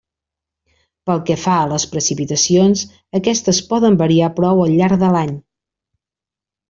Pel que fa a les precipitacions, aquestes poden variar prou al llarg de l'any.